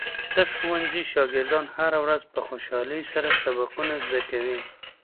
د ښوونځي شاګردان هره ورځ په خوشحالۍ سره سبقونه زده کوي.